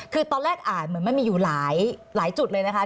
คือตอนแรกอ่านเหมือนมันมีอยู่หลายจุดเลยนะคะ